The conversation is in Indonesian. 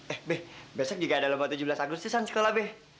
eh be besok juga ada lomba tujuh belas agustus di sekolah be